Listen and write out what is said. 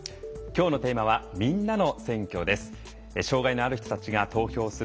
きょうのテーマは「みんなの選挙」です。